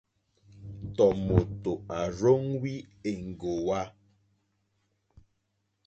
Tɔ̀mòtò à rzóŋwí èŋɡòwá.